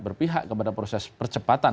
berpihak kepada proses percepatan